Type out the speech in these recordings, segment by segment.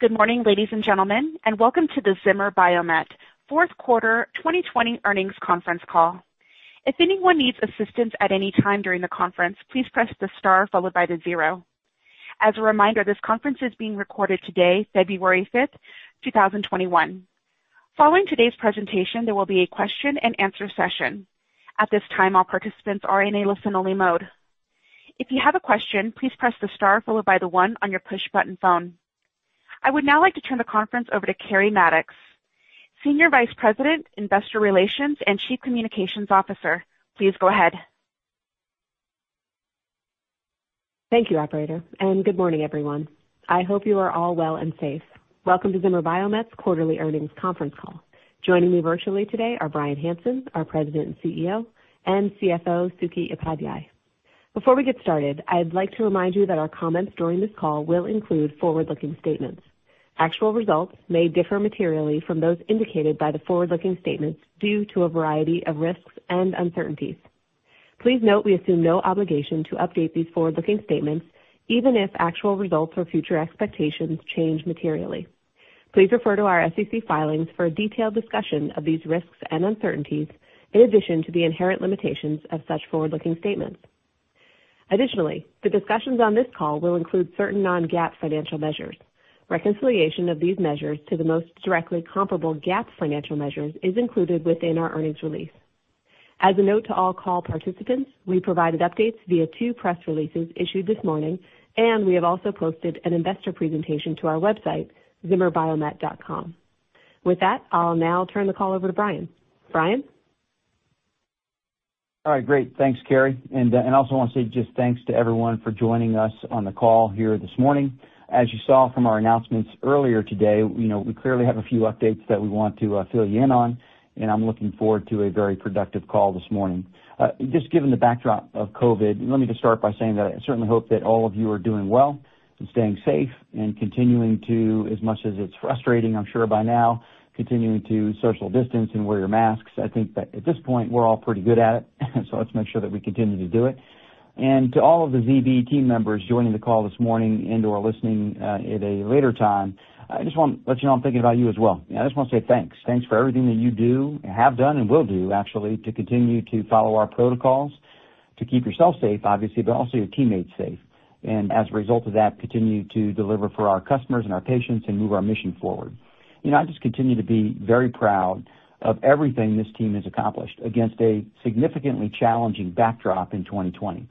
Good morning, ladies and gentlemen, and welcome to the Zimmer Biomet Fourth Quarter 2020 Earnings Conference Call. If anyone needs assistance at any time during the conference, please press the star followed by the zero. As a reminder, this conference is being recorded today, February 5th, 2021. Following today's presentation, there will be a question-and-answer session. At this time, all participants are in a listen-only mode. If you have a question, please press the star followed by the one on your push-button phone. I would now like to turn the conference over to Keri Mattox, Senior Vice President, Investor Relations and Chief Communications Officer. Please go ahead. Thank you, Operator, and good morning, everyone. I hope you are all well and safe. Welcome to Zimmer Biomet's Quarterly Earnings Conference Call. Joining me virtually today are Bryan Hanson, our President and CEO, and CFO Suky Upadhyay. Before we get started, I'd like to remind you that our comments during this call will include forward-looking statements. Actual results may differ materially from those indicated by the forward-looking statements due to a variety of risks and uncertainties. Please note we assume no obligation to update these forward-looking statements, even if actual results or future expectations change materially. Please refer to our SEC filings for a detailed discussion of these risks and uncertainties, in addition to the inherent limitations of such forward-looking statements. Additionally, the discussions on this call will include certain non-GAAP financial measures. Reconciliation of these measures to the most directly comparable GAAP financial measures is included within our earnings release. As a note to all call participants, we provided updates via two press releases issued this morning, and we have also posted an investor presentation to our website, ZimmerBiomet.com. With that, I'll now turn the call over to Bryan. Bryan? All right, great. Thanks, Keri. I also want to say just thanks to everyone for joining us on the call here this morning. As you saw from our announcements earlier today, we clearly have a few updates that we want to fill you in on, and I am looking forward to a very productive call this morning. Just given the backdrop of COVID, let me just start by saying that I certainly hope that all of you are doing well and staying safe and continuing to, as much as it is frustrating, I am sure by now, continuing to social distance and wear your masks. I think that at this point, we are all pretty good at it, so let us make sure that we continue to do it. To all of the ZB team members joining the call this morning and/or listening at a later time, I just want to let you know I'm thinking about you as well. I just want to say thanks. Thanks for everything that you do and have done and will do, actually, to continue to follow our protocols to keep yourself safe, obviously, but also your teammates safe. As a result of that, continue to deliver for our customers and our patients and move our mission forward. I just continue to be very proud of everything this team has accomplished against a significantly challenging backdrop in 2020.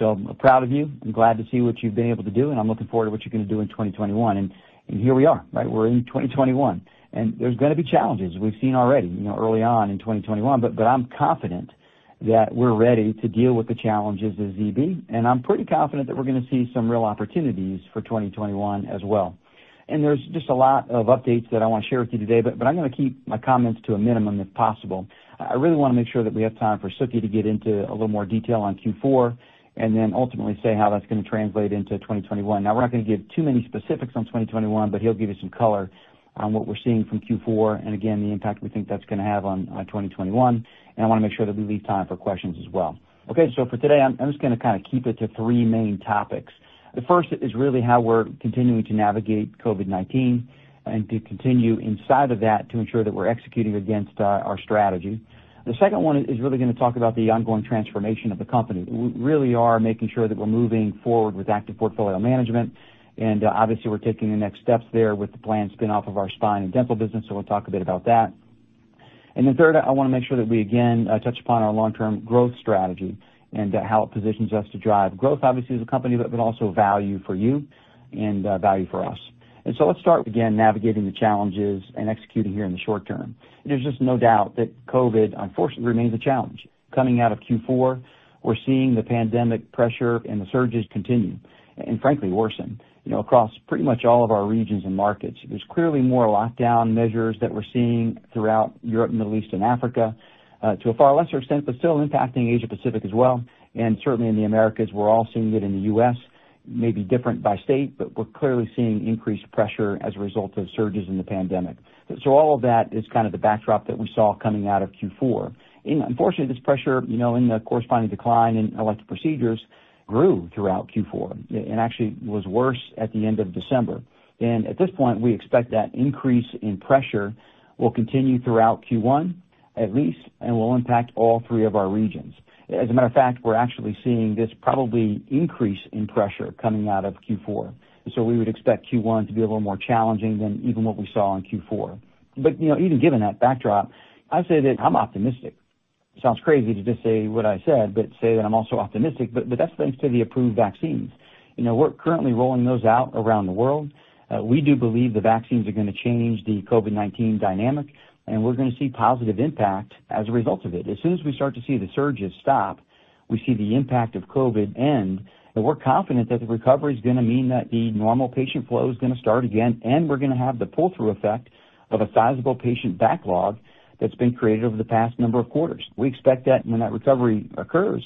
I'm proud of you. I'm glad to see what you've been able to do, and I'm looking forward to what you're going to do in 2021. Here we are, right? We're in 2021, and there's going to be challenges we've seen already early on in 2021, but I'm confident that we're ready to deal with the challenges as ZB, and I'm pretty confident that we're going to see some real opportunities for 2021 as well. There are just a lot of updates that I want to share with you today, but I'm going to keep my comments to a minimum if possible. I really want to make sure that we have time for Suky to get into a little more detail on Q4 and then ultimately say how that's going to translate into 2021. Now, we're not going to give too many specifics on 2021, but he'll give you some color on what we're seeing from Q4 and, again, the impact we think that's going to have on 2021. I want to make sure that we leave time for questions as well. For today, I'm just going to kind of keep it to three main topics. The first is really how we're continuing to navigate COVID-19 and to continue inside of that to ensure that we're executing against our strategy. The second one is really going to talk about the ongoing transformation of the company. We really are making sure that we're moving forward with active portfolio management, and obviously, we're taking the next steps there with the planned spin-off of our spine and dental business, so we'll talk a bit about that. The third, I want to make sure that we, again, touch upon our long-term growth strategy and how it positions us to drive growth, obviously, as a company, but also value for you and value for us. Let's start, again, navigating the challenges and executing here in the short term. There's just no doubt that COVID, unfortunately, remains a challenge. Coming out of Q4, we're seeing the pandemic pressure and the surges continue and, frankly, worsen across pretty much all of our regions and markets. There's clearly more lockdown measures that we're seeing throughout Europe, the Middle East, and Africa, to a far lesser extent, but still impacting Asia-Pacific as well. Certainly in the Americas, we're all seeing it in the U.S., maybe different by state, but we're clearly seeing increased pressure as a result of surges in the pandemic. All of that is kind of the backdrop that we saw coming out of Q4. Unfortunately, this pressure and the corresponding decline in elective procedures grew throughout Q4 and actually was worse at the end of December. At this point, we expect that increase in pressure will continue throughout Q1 at least and will impact all three of our regions. As a matter of fact, we're actually seeing this probably increase in pressure coming out of Q4. We would expect Q1 to be a little more challenging than even what we saw in Q4. Even given that backdrop, I'd say that I'm optimistic. Sounds crazy to just say what I said, but say that I'm also optimistic, but that's thanks to the approved vaccines. We're currently rolling those out around the world. We do believe the vaccines are going to change the COVID-19 dynamic, and we're going to see positive impact as a result of it. As soon as we start to see the surges stop, we see the impact of COVID end, and we're confident that the recovery is going to mean that the normal patient flow is going to start again, and we're going to have the pull-through effect of a sizable patient backlog that's been created over the past number of quarters. We expect that when that recovery occurs,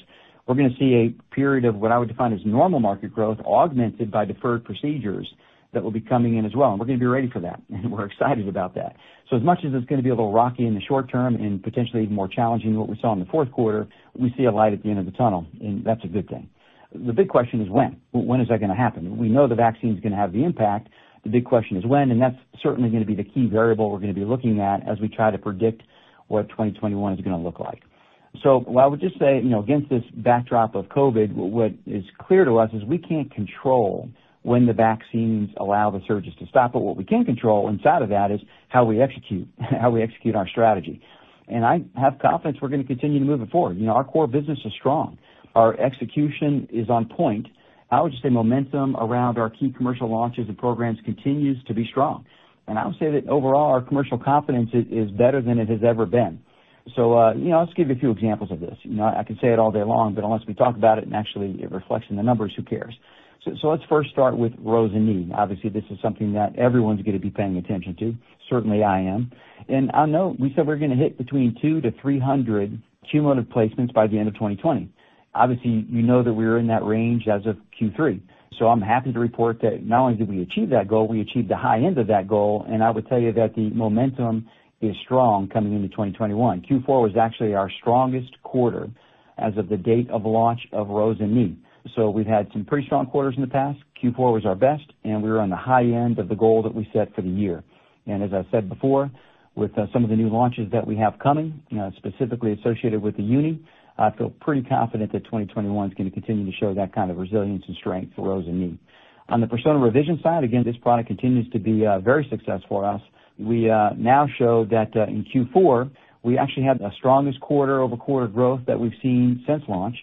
we're going to see a period of what I would define as normal market growth augmented by deferred procedures that will be coming in as well. We're going to be ready for that, and we're excited about that. As much as it's going to be a little rocky in the short term and potentially even more challenging than what we saw in the fourth quarter, we see a light at the end of the tunnel, and that's a good thing. The big question is when. When is that going to happen? We know the vaccine's going to have the impact. The big question is when, and that is certainly going to be the key variable we are going to be looking at as we try to predict what 2021 is going to look like. I would just say, against this backdrop of COVID, what is clear to us is we cannot control when the vaccines allow the surges to stop, but what we can control inside of that is how we execute our strategy. I have confidence we are going to continue to move it forward. Our core business is strong. Our execution is on point. I would just say momentum around our key commercial launches and programs continues to be strong. I would say that overall, our commercial confidence is better than it has ever been. I'll just give you a few examples of this. I can say it all day long, but unless we talk about it and actually it reflects in the numbers, who cares? Let's first start with ROSA Knee. Obviously, this is something that everyone's going to be paying attention to. Certainly, I am. I'll note we said we're going to hit between 200-300 cumulative placements by the end of 2020. Obviously, you know that we were in that range as of Q3. I'm happy to report that not only did we achieve that goal, we achieved the high end of that goal, and I would tell you that the momentum is strong coming into 2021. Q4 was actually our strongest quarter as of the date of launch of ROSA Knee. We've had some pretty strong quarters in the past. Q4 was our best, and we were on the high end of the goal that we set for the year. As I said before, with some of the new launches that we have coming, specifically associated with the uni, I feel pretty confident that 2021 is going to continue to show that kind of resilience and strength for ROSA Knee. On the Persona Revision side, again, this product continues to be very successful for us. We now show that in Q4, we actually had the strongest quarter-over-quarter growth that we've seen since launch.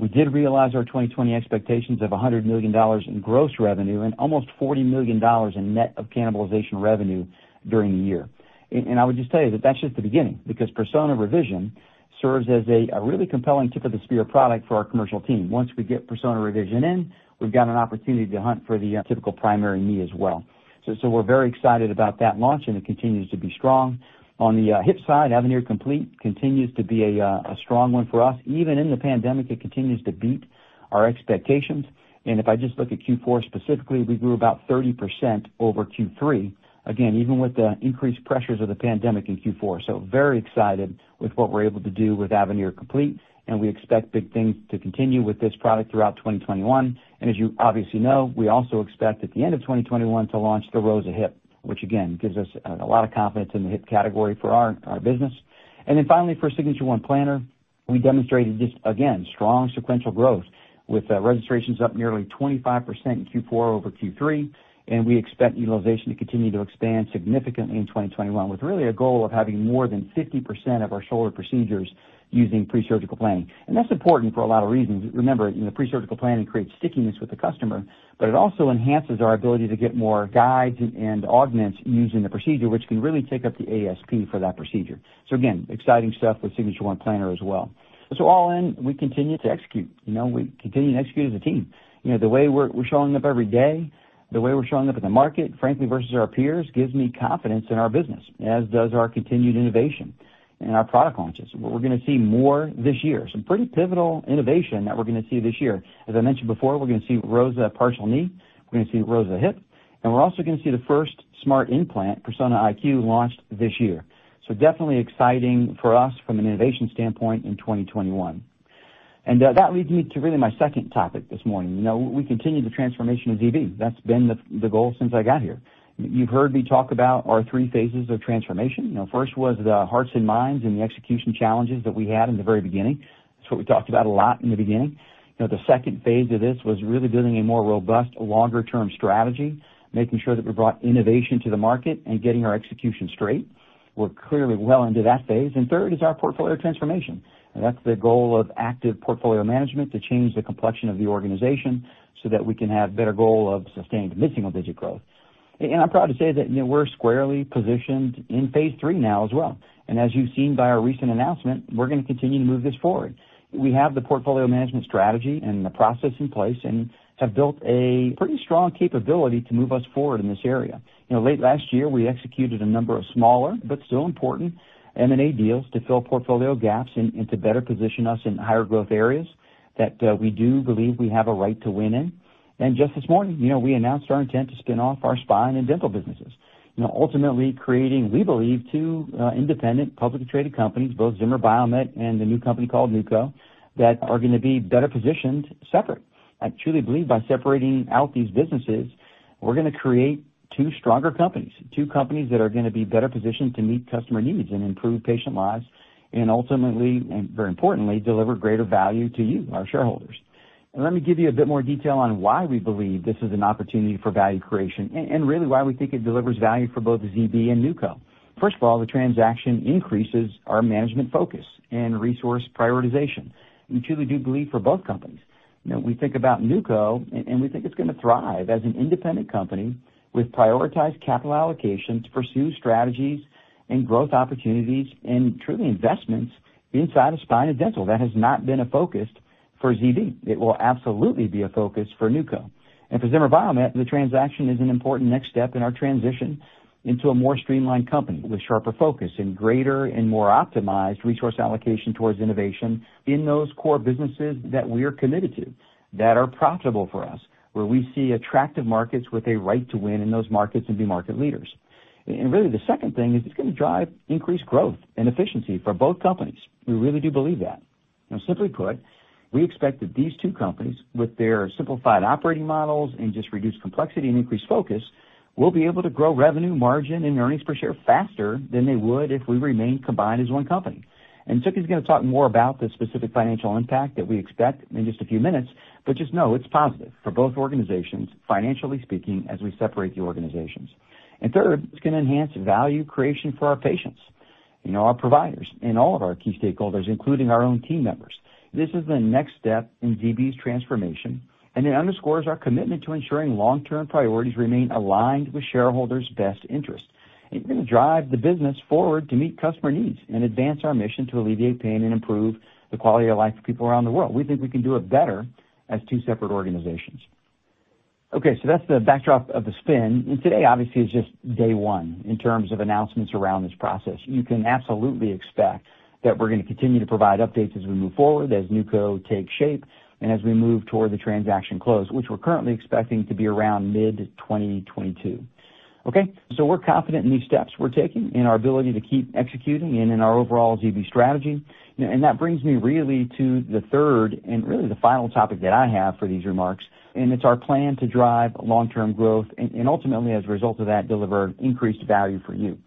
We did realize our 2020 expectations of $100 million in gross revenue and almost $40 million in net of cannibalization revenue during the year. I would just tell you that that's just the beginning because Persona Revision serves as a really compelling tip of the spear product for our commercial team. Once we get Persona Revision in, we've got an opportunity to hunt for the typical primary ni as well. We are very excited about that launch, and it continues to be strong. On the hip side, Avenir Complete continues to be a strong one for us. Even in the pandemic, it continues to beat our expectations. If I just look at Q4 specifically, we grew about 30% over Q3, again, even with the increased pressures of the pandemic in Q4. We are very excited with what we are able to do with Avenir Complete, and we expect big things to continue with this product throughout 2021. As you obviously know, we also expect at the end of 2021 to launch the ROSA Hip, which again gives us a lot of confidence in the hip category for our business. Finally, for Signature One Planner, we demonstrated just, again, strong sequential growth with registrations up nearly 25% in Q4 over Q3, and we expect utilization to continue to expand significantly in 2021 with really a goal of having more than 50% of our shoulder procedures using presurgical planning. That is important for a lot of reasons. Remember, the presurgical planning creates stickiness with the customer, but it also enhances our ability to get more guides and augments using the procedure, which can really take up the ASP for that procedure. Exciting stuff with Signature One Planner as well. All in, we continue to execute. We continue to execute as a team. The way we're showing up every day, the way we're showing up in the market, frankly, versus our peers gives me confidence in our business, as does our continued innovation and our product launches. We're going to see more this year, some pretty pivotal innovation that we're going to see this year. As I mentioned before, we're going to see ROSA Partial Knee. We're going to see ROSA Hip, and we're also going to see the first smart implant, Persona IQ, launched this year. Definitely exciting for us from an innovation standpoint in 2021. That leads me to really my second topic this morning. We continue the transformation of Zimmer Biomet. That's been the goal since I got here. You've heard me talk about our three phases of transformation. First was the hearts and minds and the execution challenges that we had in the very beginning. That's what we talked about a lot in the beginning. The second phase of this was really building a more robust longer-term strategy, making sure that we brought innovation to the market and getting our execution straight. We're clearly well into that phase. Third is our portfolio transformation. That is the goal of active portfolio management to change the complexion of the organization so that we can have better goal of sustained missing a digit growth. I'm proud to say that we're squarely positioned in phase three now as well. As you've seen by our recent announcement, we're going to continue to move this forward. We have the portfolio management strategy and the process in place and have built a pretty strong capability to move us forward in this area. Late last year, we executed a number of smaller, but still important M&A deals to fill portfolio gaps and to better position us in higher growth areas that we do believe we have a right to win in. Just this morning, we announced our intent to spin off our spine and dental businesses, ultimately creating, we believe, two independent publicly traded companies, both Zimmer Biomet and the new company called Nuco, that are going to be better positioned separate. I truly believe by separating out these businesses, we're going to create two stronger companies, two companies that are going to be better positioned to meet customer needs and improve patient lives and ultimately, and very importantly, deliver greater value to you, our shareholders. Let me give you a bit more detail on why we believe this is an opportunity for value creation and really why we think it delivers value for both ZB and Nuco. First of all, the transaction increases our management focus and resource prioritization. We truly do believe for both companies. We think about Nuco, and we think it's going to thrive as an independent company with prioritized capital allocations, pursue strategies and growth opportunities, and truly investments inside of spine and dental that has not been a focus for Zimmer Biomet. It will absolutely be a focus for Nuco. For Zimmer Biomet, the transaction is an important next step in our transition into a more streamlined company with sharper focus and greater and more optimized resource allocation towards innovation in those core businesses that we are committed to that are profitable for us, where we see attractive markets with a right to win in those markets and be market leaders. The second thing is it's going to drive increased growth and efficiency for both companies. We really do believe that. Simply put, we expect that these two companies, with their simplified operating models and just reduced complexity and increased focus, will be able to grow revenue, margin, and earnings per share faster than they would if we remain combined as one company. Suket is going to talk more about the specific financial impact that we expect in just a few minutes, but just know it's positive for both organizations, financially speaking, as we separate the organizations. Third, it's going to enhance value creation for our patients, our providers, and all of our key stakeholders, including our own team members. This is the next step in ZB's transformation, and it underscores our commitment to ensuring long-term priorities remain aligned with shareholders' best interests. It's going to drive the business forward to meet customer needs and advance our mission to alleviate pain and improve the quality of life for people around the world. We think we can do it better as two separate organizations. That is the backdrop of the spin. Today, obviously, is just day one in terms of announcements around this process. You can absolutely expect that we're going to continue to provide updates as we move forward, as Nuco takes shape, and as we move toward the transaction close, which we're currently expecting to be around mid-2022. We are confident in these steps we're taking and our ability to keep executing and in our overall ZB strategy. That brings me really to the third and really the final topic that I have for these remarks. It is our plan to drive long-term growth and ultimately, as a result of that, deliver increased value for you.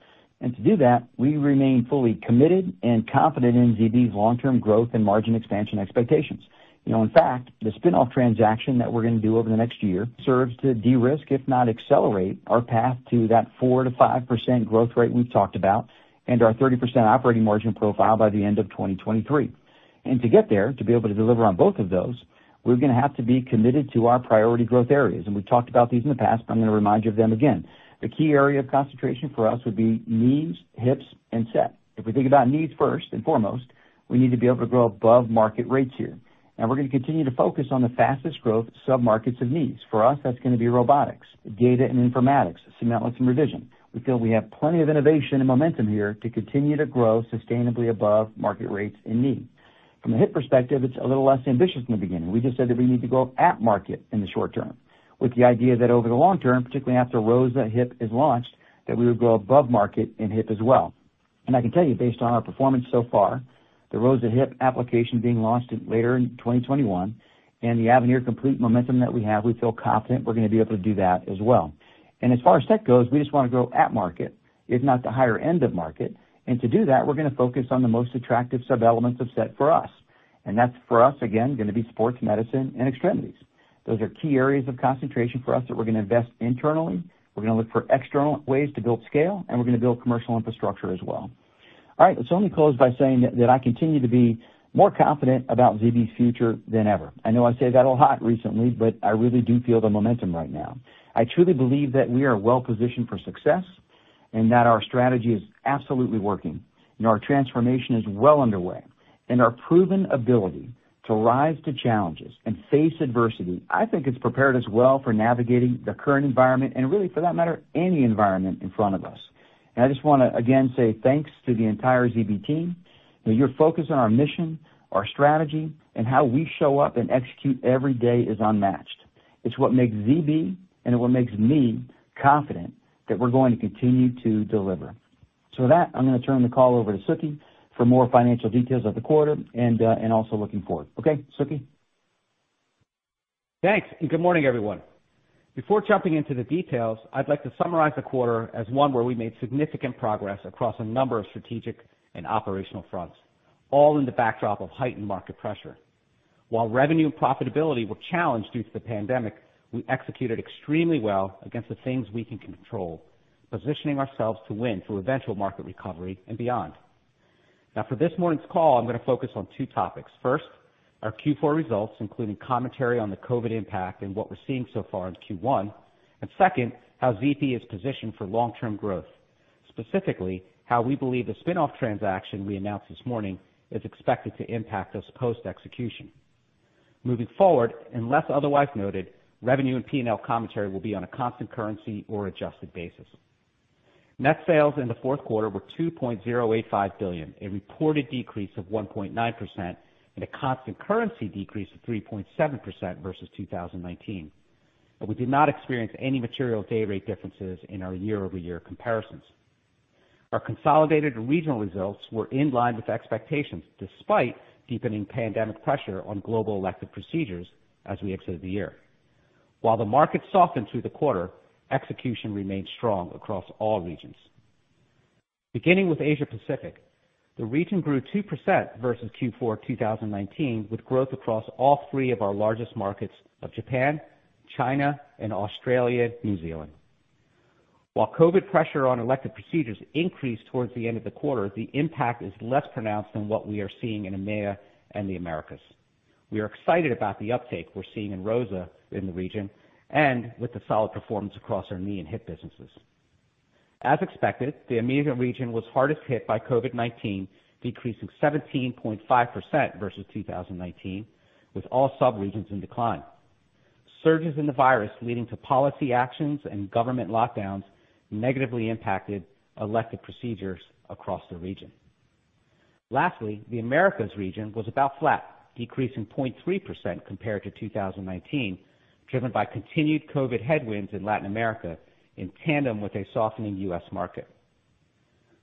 To do that, we remain fully committed and confident in ZB's long-term growth and margin expansion expectations. In fact, the spin-off transaction that we are going to do over the next year serves to de-risk, if not accelerate, our path to that 4%-5% growth rate we have talked about and our 30% operating margin profile by the end of 2023. To get there, to be able to deliver on both of those, we are going to have to be committed to our priority growth areas. We have talked about these in the past, but I am going to remind you of them again. The key area of concentration for us would be knees, hips, and set. If we think about knees first and foremost, we need to be able to grow above market rates here. We are going to continue to focus on the fastest growth sub-markets of knees. For us, that's going to be robotics, data and informatics, cementless and revision. We feel we have plenty of innovation and momentum here to continue to grow sustainably above market rates in knee. From a hip perspective, it's a little less ambitious than the beginning. We just said that we need to grow at market in the short term, with the idea that over the long term, particularly after ROSA Hip is launched, that we would grow above market in hip as well. I can tell you, based on our performance so far, the ROSA Hip application being launched later in 2021 and the Avenir Complete momentum that we have, we feel confident we're going to be able to do that as well. As far as tech goes, we just want to grow at market, if not the higher end of market. To do that, we're going to focus on the most attractive sub-elements of set for us. That's for us, again, going to be sports, medicine, and extremities. Those are key areas of concentration for us that we're going to invest internally. We're going to look for external ways to build scale, and we're going to build commercial infrastructure as well. All right, let me close by saying that I continue to be more confident about ZB's future than ever. I know I say that a lot recently, but I really do feel the momentum right now. I truly believe that we are well positioned for success and that our strategy is absolutely working. Our transformation is well underway, and our proven ability to rise to challenges and face adversity, I think it's prepared us well for navigating the current environment and really, for that matter, any environment in front of us. I just want to, again, say thanks to the entire ZB team. Your focus on our mission, our strategy, and how we show up and execute every day is unmatched. It's what makes ZB and what makes me confident that we're going to continue to deliver. With that, I'm going to turn the call over to Suketu for more financial details of the quarter and also looking forward. Okay, Suketu. Thanks. Good morning, everyone. Before jumping into the details, I'd like to summarize the quarter as one where we made significant progress across a number of strategic and operational fronts, all in the backdrop of heightened market pressure. While revenue and profitability were challenged due to the pandemic, we executed extremely well against the things we can control, positioning ourselves to win through eventual market recovery and beyond. Now, for this morning's call, I'm going to focus on two topics. First, our Q4 results, including commentary on the COVID impact and what we're seeing so far in Q1. Second, how Zimmer Biomet is positioned for long-term growth, specifically how we believe the spinoff transaction we announced this morning is expected to impact us post-execution. Moving forward, unless otherwise noted, revenue and P&L commentary will be on a constant currency or adjusted basis. Net sales in the fourth quarter were $2.085 billion, a reported decrease of 1.9% and a constant currency decrease of 3.7% versus 2019. We did not experience any material day rate differences in our year-over-year comparisons. Our consolidated regional results were in line with expectations despite deepening pandemic pressure on global elective procedures as we exited the year. While the market softened through the quarter, execution remained strong across all regions. Beginning with Asia-Pacific, the region grew 2% versus Q4 2019 with growth across all three of our largest markets of Japan, China, and Australia, New Zealand. While COVID pressure on elective procedures increased towards the end of the quarter, the impact is less pronounced than what we are seeing in EMEA and the Americas. We are excited about the uptake we're seeing in ROSA in the region and with the solid performance across our knee and hip businesses. As expected, the EMEA region was hardest hit by COVID-19, decreasing 17.5% versus 2019, with all sub-regions in decline. Surges in the virus leading to policy actions and government lockdowns negatively impacted elective procedures across the region. Lastly, the Americas region was about flat, decreasing 0.3% compared to 2019, driven by continued COVID headwinds in Latin America in tandem with a softening U.S. market.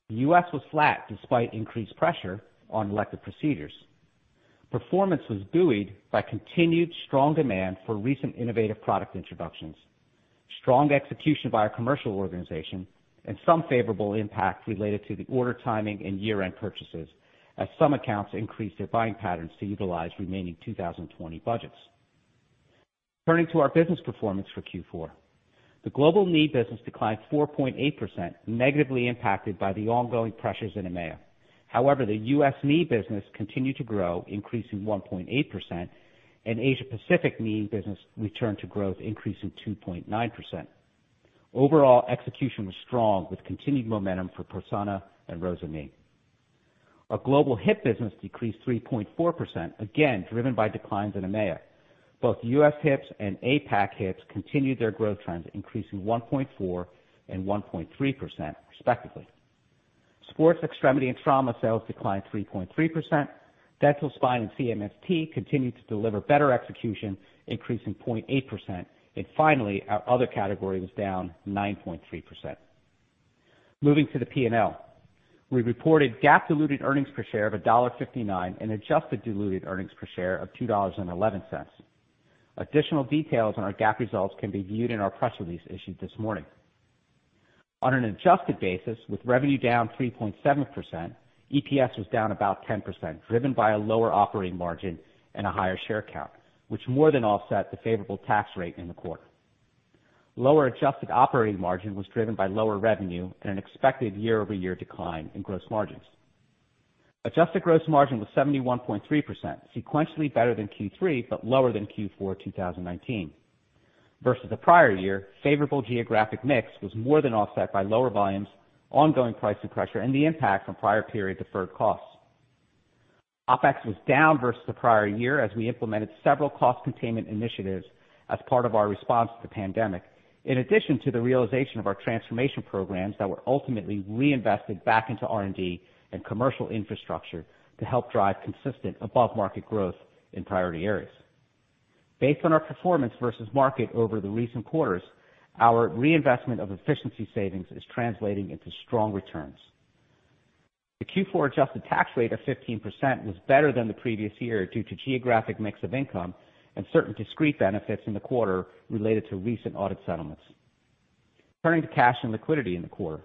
The U.S. was flat despite increased pressure on elective procedures. Performance was buoyed by continued strong demand for recent innovative product introductions, strong execution by our commercial organization, and some favorable impact related to the order timing and year-end purchases, as some accounts increased their buying patterns to utilize remaining 2020 budgets. Turning to our business performance for Q4, the global knee business declined 4.8%, negatively impacted by the ongoing pressures in EMEA. However, the U.S. knee business continued to grow, increasing 1.8%, and Asia-Pacific knee business returned to growth, increasing 2.9%. Overall, execution was strong with continued momentum for Persona and ROSA Knee. Our global hip business decreased 3.4%, again driven by declines in EMEA. Both U.S. hips and APAC hips continued their growth trends, increasing 1.4% and 1.3%, respectively. Sports, extremity, and trauma sales declined 3.3%. Dental, spine, and CMST continued to deliver better execution, increasing 0.8%. Finally, our other category was down 9.3%. Moving to the P&L, we reported GAAP-diluted earnings per share of $1.59 and adjusted diluted earnings per share of $2.11. Additional details on our GAAP results can be viewed in our press release issued this morning. On an adjusted basis, with revenue down 3.7%, EPS was down about 10%, driven by a lower operating margin and a higher share count, which more than offset the favorable tax rate in the quarter. Lower adjusted operating margin was driven by lower revenue and an expected year-over-year decline in gross margins. Adjusted gross margin was 71.3%, sequentially better than Q3, but lower than Q4 2019. Versus the prior year, favorable geographic mix was more than offset by lower volumes, ongoing pricing pressure, and the impact from prior period deferred costs. OpEx was down versus the prior year as we implemented several cost containment initiatives as part of our response to the pandemic, in addition to the realization of our transformation programs that were ultimately reinvested back into R&D and commercial infrastructure to help drive consistent above-market growth in priority areas. Based on our performance versus market over the recent quarters, our reinvestment of efficiency savings is translating into strong returns. The Q4 adjusted tax rate of 15% was better than the previous year due to geographic mix of income and certain discrete benefits in the quarter related to recent audit settlements. Turning to cash and liquidity in the quarter,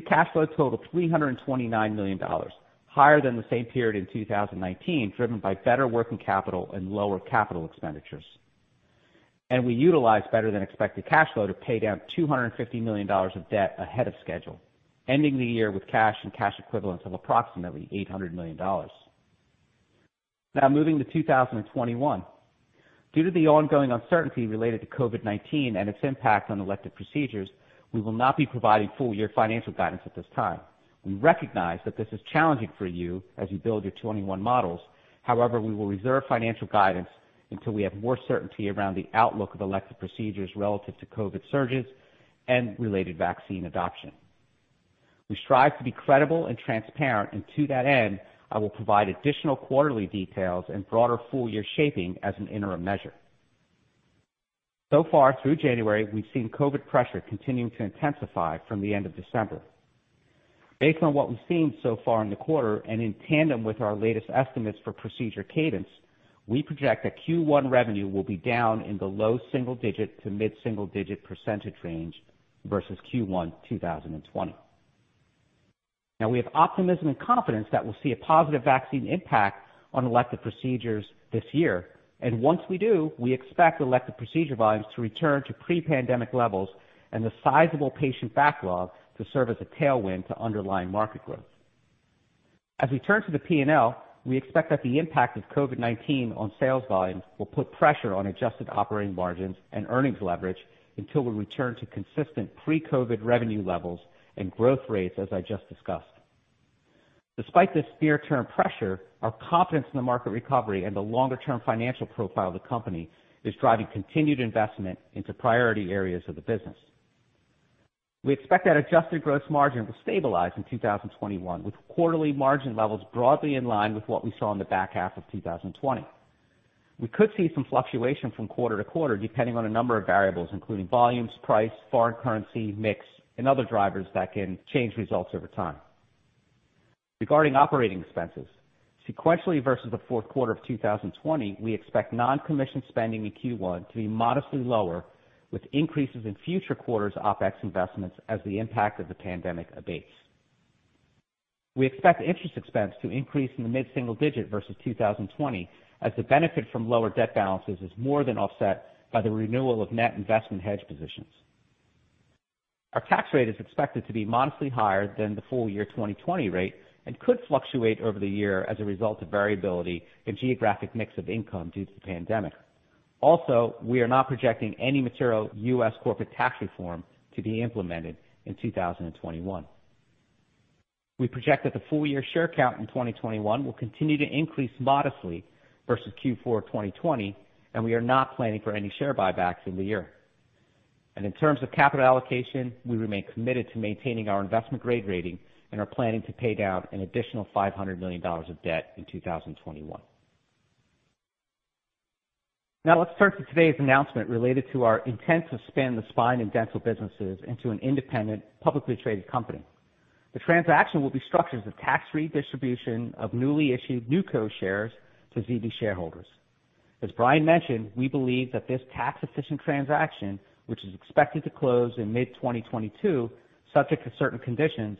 free cash flow totaled $329 million, higher than the same period in 2019, driven by better working capital and lower capital expenditures. We utilized better-than-expected cash flow to pay down $250 million of debt ahead of schedule, ending the year with cash and cash equivalents of approximately $800 million. Now, moving to 2021. Due to the ongoing uncertainty related to COVID-19 and its impact on elective procedures, we will not be providing full-year financial guidance at this time. We recognize that this is challenging for you as you build your 2021 models. However, we will reserve financial guidance until we have more certainty around the outlook of elective procedures relative to COVID surges and related vaccine adoption. We strive to be credible and transparent, and to that end, I will provide additional quarterly details and broader full-year shaping as an interim measure. So far, through January, we've seen COVID pressure continuing to intensify from the end of December. Based on what we've seen so far in the quarter and in tandem with our latest estimates for procedure cadence, we project that Q1 revenue will be down in the low single-digit to mid-single-digit % range versus Q1 2020. Now, we have optimism and confidence that we'll see a positive vaccine impact on elective procedures this year. Once we do, we expect elective procedure volumes to return to pre-pandemic levels and the sizable patient backlog to serve as a tailwind to underlying market growth. As we turn to the P&L, we expect that the impact of COVID-19 on sales volumes will put pressure on adjusted operating margins and earnings leverage until we return to consistent pre-COVID revenue levels and growth rates, as I just discussed. Despite this near-term pressure, our confidence in the market recovery and the longer-term financial profile of the company is driving continued investment into priority areas of the business. We expect that adjusted gross margin will stabilize in 2021, with quarterly margin levels broadly in line with what we saw in the back half of 2020. We could see some fluctuation from quarter to quarter, depending on a number of variables, including volumes, price, foreign currency, mix, and other drivers that can change results over time. Regarding operating expenses, sequentially versus the fourth quarter of 2020, we expect non-commission spending in Q1 to be modestly lower, with increases in future quarters' OpEx investments as the impact of the pandemic abates. We expect interest expense to increase in the mid-single digit % versus 2020, as the benefit from lower debt balances is more than offset by the renewal of net investment hedge positions. Our tax rate is expected to be modestly higher than the full-year 2020 rate and could fluctuate over the year as a result of variability in geographic mix of income due to the pandemic. Also, we are not projecting any material U.S. corporate tax reform to be implemented in 2021. We project that the full-year share count in 2021 will continue to increase modestly versus Q4 2020, and we are not planning for any share buybacks in the year. In terms of capital allocation, we remain committed to maintaining our investment grade rating and are planning to pay down an additional $500 million of debt in 2021. Now, let's turn to today's announcement related to our intent to expand the spine and dental businesses into an independent publicly traded company. The transaction will be structured as a tax redistribution of newly issued Nuco shares to Zimmer Biomet shareholders. As Bryan mentioned, we believe that this tax-efficient transaction, which is expected to close in mid-2022, subject to certain conditions,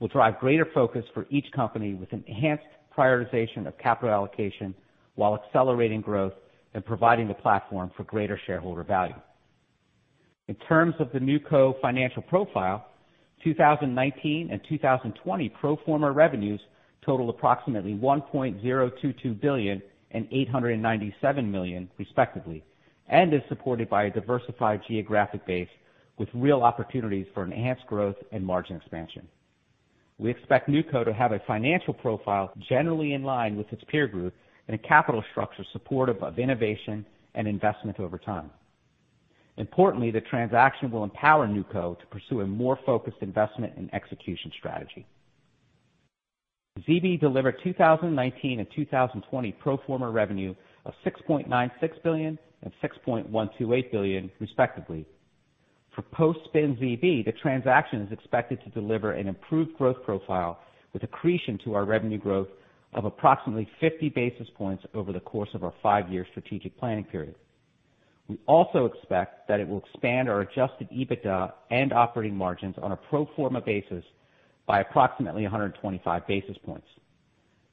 will drive greater focus for each company with enhanced prioritization of capital allocation while accelerating growth and providing the platform for greater shareholder value. In terms of the Nuco financial profile, 2019 and 2020 pro forma revenues totaled approximately $1.022 billion and $897 million, respectively, and is supported by a diversified geographic base with real opportunities for enhanced growth and margin expansion. We expect Nuco to have a financial profile generally in line with its peer group and a capital structure supportive of innovation and investment over time. Importantly, the transaction will empower Nuco to pursue a more focused investment and execution strategy. ZB delivered 2019 and 2020 pro forma revenue of $6.96 billion and $6.128 billion, respectively. For post-SPIN ZB, the transaction is expected to deliver an improved growth profile with accretion to our revenue growth of approximately 50 basis points over the course of our five-year strategic planning period. We also expect that it will expand our adjusted EBITDA and operating margins on a pro forma basis by approximately 125 basis points.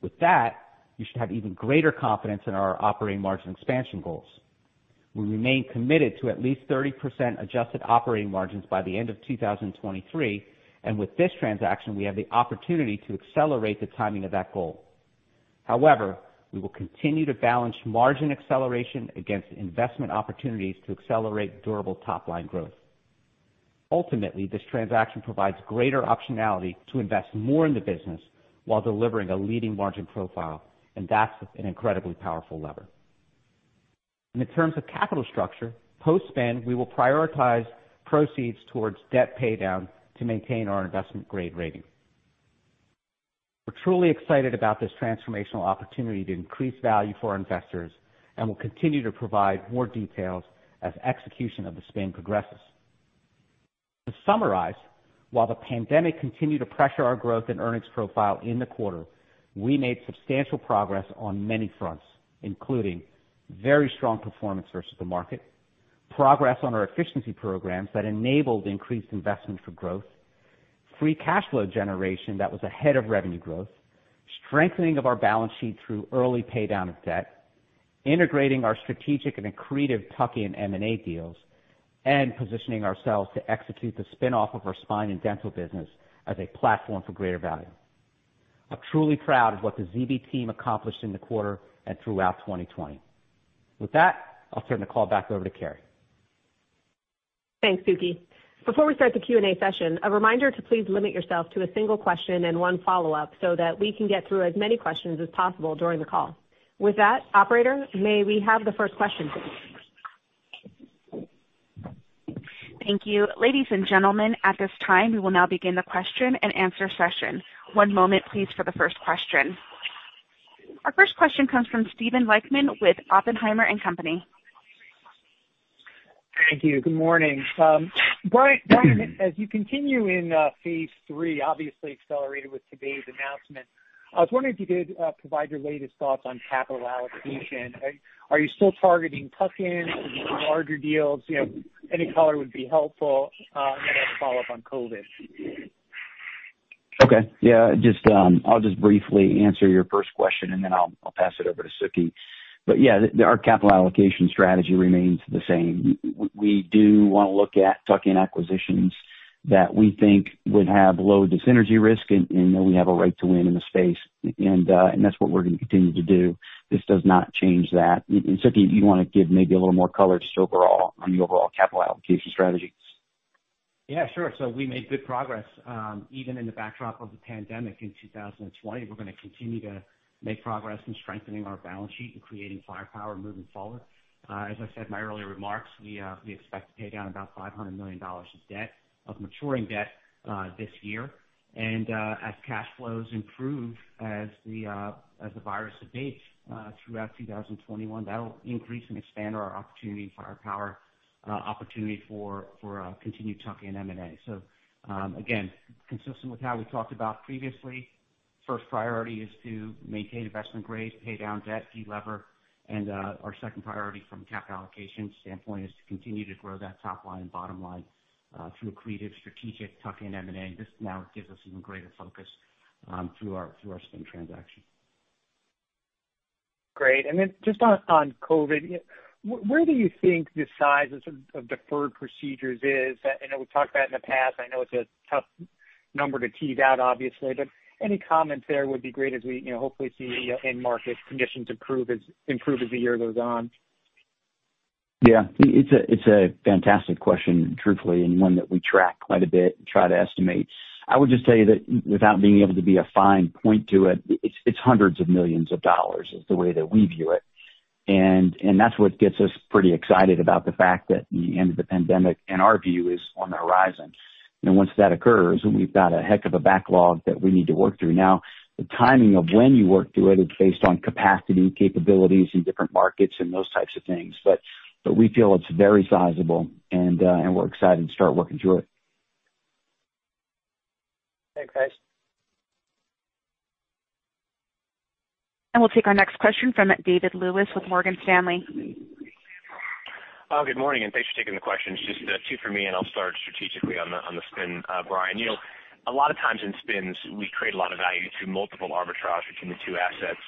With that, we should have even greater confidence in our operating margin expansion goals. We remain committed to at least 30% adjusted operating margins by the end of 2023, and with this transaction, we have the opportunity to accelerate the timing of that goal. However, we will continue to balance margin acceleration against investment opportunities to accelerate durable top-line growth. Ultimately, this transaction provides greater optionality to invest more in the business while delivering a leading margin profile, and that's an incredibly powerful lever. In terms of capital structure, post-spin, we will prioritize proceeds towards debt paydown to maintain our investment grade rating. We're truly excited about this transformational opportunity to increase value for our investors and will continue to provide more details as execution of the spin progresses. To summarize, while the pandemic continued to pressure our growth and earnings profile in the quarter, we made substantial progress on many fronts, including very strong performance versus the market, progress on our efficiency programs that enabled increased investment for growth, free cash flow generation that was ahead of revenue growth, strengthening of our balance sheet through early paydown of debt, integrating our strategic and accretive tuck-in and M&A deals, and positioning ourselves to execute the spin-off of our spine and dental business as a platform for greater value. I'm truly proud of what the ZB team accomplished in the quarter and throughout 2020. With that, I'll turn the call back over to Keri. Thanks, Suky. Before we start the Q&A session, a reminder to please limit yourself to a single question and one follow-up so that we can get through as many questions as possible during the call. With that, operator, may we have the first question, please? Thank you. Ladies and gentlemen, at this time, we will now begin the question and answer session. One moment, please, for the first question. Our first question comes from Steven Weinstein with Oppenheimer & Company. Thank you. Good morning. Bryan, as you continue in phase three, obviously accelerated with today's announcement, I was wondering if you could provide your latest thoughts on capital allocation. Are you still targeting tuck-in? Are you doing larger deals? Any color would be helpful. I'll follow up on COVID. Okay. Yeah. I'll just briefly answer your first question, and then I'll pass it over to Suky. Yeah, our capital allocation strategy remains the same. We do want to look at tuck-in acquisitions that we think would have low disincentive risk, and we have a right to win in the space. That's what we're going to continue to do. This does not change that. Suky, you want to give maybe a little more color just overall on the overall capital allocation strategy? Yeah, sure. We made good progress. Even in the backdrop of the pandemic in 2020, we're going to continue to make progress in strengthening our balance sheet and creating firepower moving forward. As I said in my earlier remarks, we expect to pay down about $500 million of maturing debt this year. As cash flows improve as the virus abates throughout 2021, that'll increase and expand our opportunity for our power opportunity for continued tuck-in M&A. Again, consistent with how we talked about previously, first priority is to maintain investment grade, pay down debt, de-lever. Our second priority from a capital allocation standpoint is to continue to grow that top line and bottom line through accretive strategic tuck-in M&A. This now gives us even greater focus through our spin transaction. Great. Just on COVID, where do you think the size of deferred procedures is? I know we've talked about it in the past. I know it's a tough number to tease out, obviously. Any comments there would be great as we hopefully see end market conditions improve as the year goes on. Yeah. It's a fantastic question, truthfully, and one that we track quite a bit and try to estimate. I would just tell you that without being able to be a fine point to it, it's hundreds of millions of dollars is the way that we view it. That's what gets us pretty excited about the fact that the end of the pandemic, in our view, is on the horizon. Once that occurs, we've got a heck of a backlog that we need to work through. Now, the timing of when you work through it is based on capacity, capabilities in different markets, and those types of things. We feel it's very sizable, and we're excited to start working through it. Thanks, guys. We will take our next question from David Lewis with Morgan Stanley. Oh, good morning, and thanks for taking the question. It's just two for me, and I'll start strategically on the spin. Bryan, a lot of times in spins, we create a lot of value through multiple arbitrage between the two assets.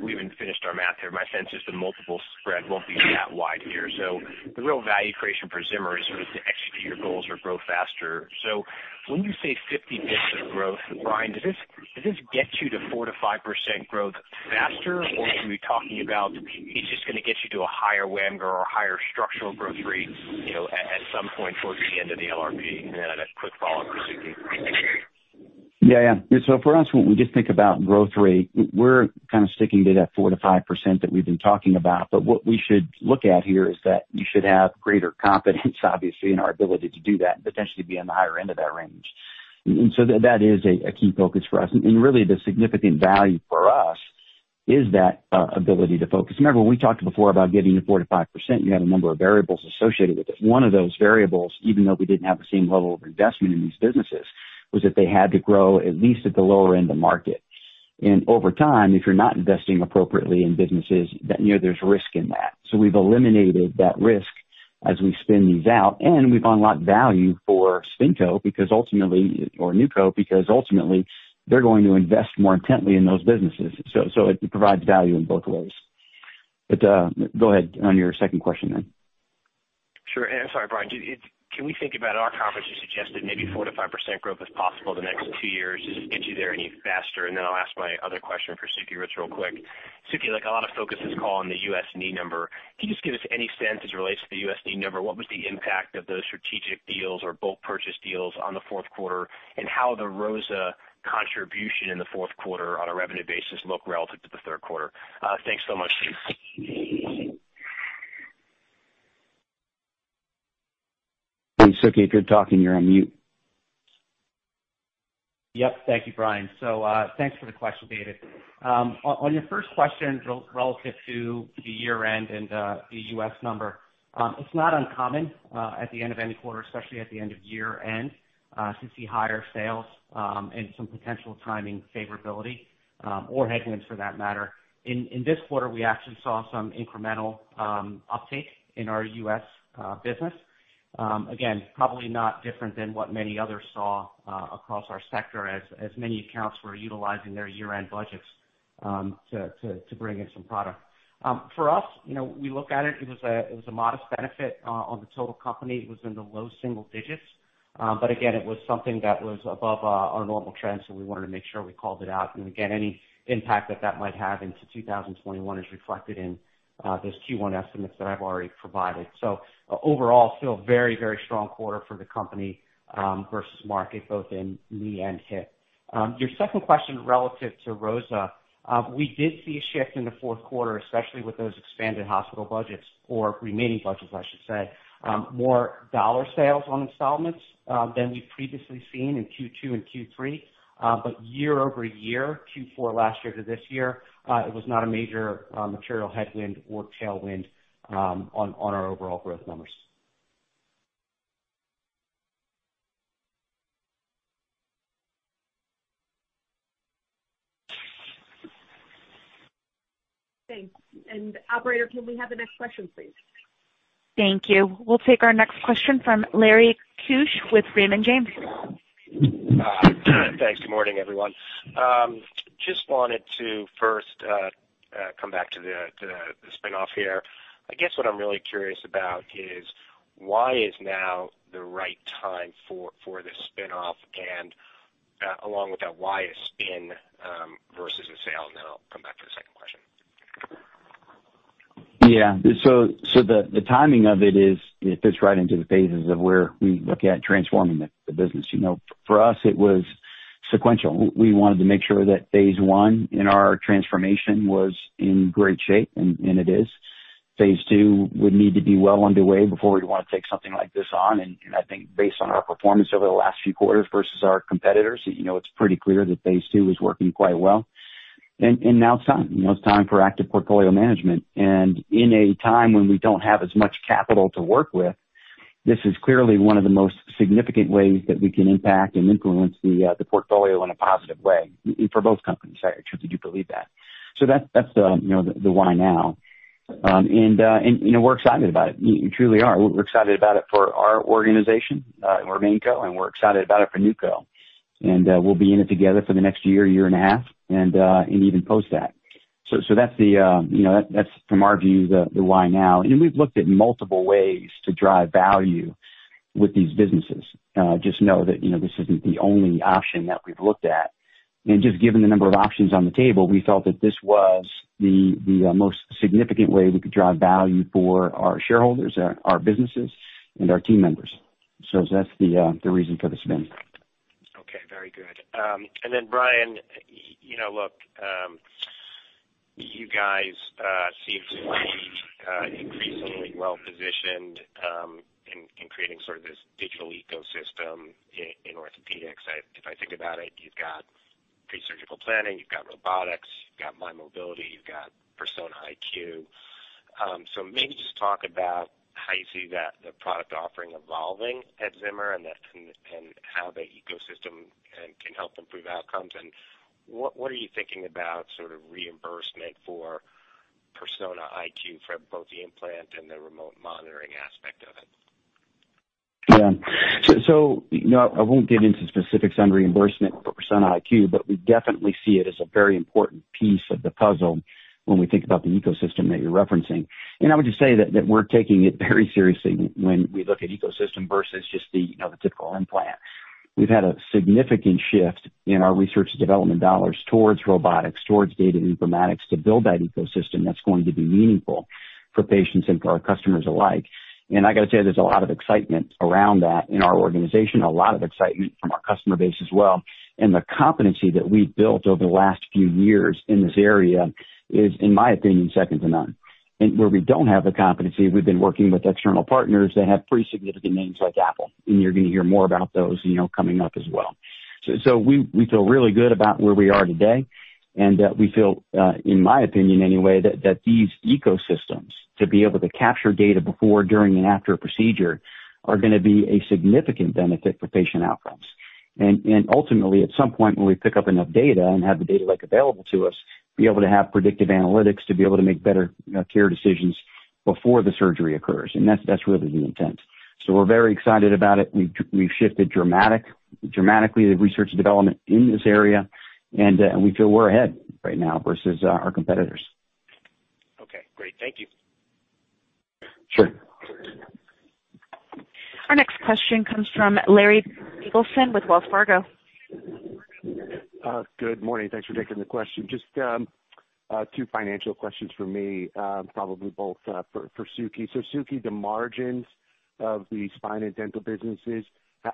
We haven't finished our math here. My sense is the multiple spread won't be that wide here. The real value creation for Zimmer is sort of to execute your goals or grow faster. When you say 50 basis points of growth, Bryan, does this get you to 4-5% growth faster, or are we talking about it's just going to get you to a higher WAMG or a higher structural growth rate at some point towards the end of the LRP? I have a quick follow-up for Suky. Yeah, yeah. For us, when we just think about growth rate, we're kind of sticking to that 4-5% that we've been talking about. What we should look at here is that you should have greater confidence, obviously, in our ability to do that and potentially be on the higher end of that range. That is a key focus for us. Really, the significant value for us is that ability to focus. Remember, we talked before about getting to 4-5%. You had a number of variables associated with it. One of those variables, even though we didn't have the same level of investment in these businesses, was that they had to grow at least at the lower end of market. Over time, if you're not investing appropriately in businesses, there's risk in that. We have eliminated that risk as we spin these out. We have unlocked value for Nuco because ultimately, they are going to invest more intently in those businesses. It provides value in both ways. Go ahead on your second question then. Sure. Sorry, Bryan, can we think about our conference to suggest that maybe 4-5% growth is possible the next two years to just get you there any faster? I'll ask my other question for Suki Ritz real quick. Suki, a lot of focus this call on the USD number. Can you just give us any sense as it relates to the USD number? What was the impact of those strategic deals or bulk purchase deals on the fourth quarter, and how the ROSA contribution in the fourth quarter on a revenue basis looked relative to the third quarter? Thanks so much, Steve. Suky, if you're talking, you're on mute. Yep. Thank you, Bryan. Thank you for the question, David. On your first question relative to the year-end and the US number, it's not uncommon at the end of any quarter, especially at the end of year-end, to see higher sales and some potential timing favorability or headwinds for that matter. In this quarter, we actually saw some incremental uptake in our U.S. business. Again, probably not different than what many others saw across our sector as many accounts were utilizing their year-end budgets to bring in some product. For us, we look at it. It was a modest benefit on the total company. It was in the low single digits. Again, it was something that was above our normal trend, so we wanted to make sure we called it out. Any impact that that might have into 2021 is reflected in those Q1 estimates that I've already provided. Overall, still a very, very strong quarter for the company versus market, both in knee and hip. Your second question relative to ROSA, we did see a shift in the fourth quarter, especially with those expanded hospital budgets or remaining budgets, I should say, more dollar sales on installments than we've previously seen in Q2 and Q3. Year-over-year, Q4 last year to this year, it was not a major material headwind or tailwind on our overall growth numbers. Thanks. Operator, can we have the next question, please? Thank you. We'll take our next question from Larry Bieg with Raymond James. Thanks. Good morning, everyone. Just wanted to first come back to the spin-off here. I guess what I'm really curious about is why is now the right time for the spin-off? Along with that, why a spin versus a sale? Then I'll come back to the second question. Yeah. The timing of it fits right into the phases of where we look at transforming the business. For us, it was sequential. We wanted to make sure that phase one in our transformation was in great shape, and it is. Phase two would need to be well underway before we'd want to take something like this on. I think based on our performance over the last few quarters versus our competitors, it's pretty clear that phase two is working quite well. Now it's time. It's time for active portfolio management. In a time when we do not have as much capital to work with, this is clearly one of the most significant ways that we can impact and influence the portfolio in a positive way for both companies. I truly do believe that. That's the why now. We're excited about it. We truly are. We're excited about it for our organization, our main Co, and we're excited about it for Nuco. We'll be in it together for the next year, year and a half, and even post that. That's from our view, the why now. We've looked at multiple ways to drive value with these businesses. Just know that this isn't the only option that we've looked at. Given the number of options on the table, we felt that this was the most significant way we could drive value for our shareholders, our businesses, and our team members. That's the reason for the spin. Okay. Very good. Bryan, look, you guys seem to be increasingly well-positioned in creating sort of this digital ecosystem in orthopedics. If I think about it, you've got presurgical planning, you've got robotics, you've got my mobility, you've got Persona IQ. Maybe just talk about how you see the product offering evolving at Zimmer and how the ecosystem can help improve outcomes. What are you thinking about sort of reimbursement for Persona IQ for both the implant and the remote monitoring aspect of it? Yeah. I will not get into specifics on reimbursement for Persona IQ, but we definitely see it as a very important piece of the puzzle when we think about the ecosystem that you are referencing. I would just say that we are taking it very seriously when we look at ecosystem versus just the typical implant. We have had a significant shift in our research and development dollars towards robotics, towards data and informatics to build that ecosystem that is going to be meaningful for patients and for our customers alike. I have to say, there is a lot of excitement around that in our organization, a lot of excitement from our customer base as well. The competency that we have built over the last few years in this area is, in my opinion, second to none. Where we do not have the competency, we have been working with external partners that have pretty significant names like Apple. You are going to hear more about those coming up as well. We feel really good about where we are today. We feel, in my opinion anyway, that these ecosystems to be able to capture data before, during, and after a procedure are going to be a significant benefit for patient outcomes. Ultimately, at some point, when we pick up enough data and have the data available to us, we will be able to have predictive analytics to make better care decisions before the surgery occurs. That is really the intent. We are very excited about it. We have shifted dramatically the research and development in this area. We feel we are ahead right now versus our competitors. Okay. Great. Thank you. Sure. Our next question comes from Larry Zingeser with Wells Fargo. Good morning. Thanks for taking the question. Just two financial questions for me, probably both for Suki. Suki, the margins of the spine and dental businesses,